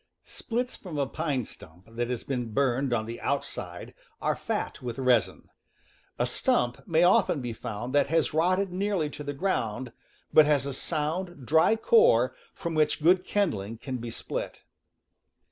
Splits from a pine stump that has been burned on the outside are fat with resin. A stump may often be found that has rotted nearly to the ground but has a sound, dry core from which good kindling can be split.